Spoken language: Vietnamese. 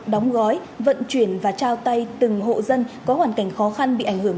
đóng gói vận chuyển và trao tay từng hộ dân có hoàn cảnh khó khăn bị ảnh hưởng